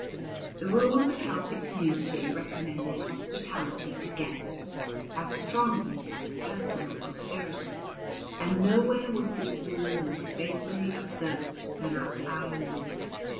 The rule of a Celtic community recommended hospitality to guests as strongly as personal austerity, and nowhere was this rule more faithfully observed than at Iona.